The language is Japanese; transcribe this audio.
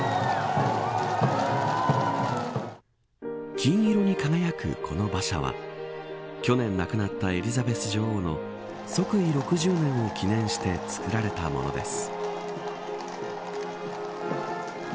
金色に輝くこの馬車は去年亡くなったエリザベス女王の即位６０年を記念して作られたものです。